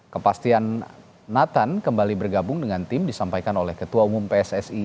kepastian nathan kembali bergabung dengan tim disampaikan oleh ketua umum pssi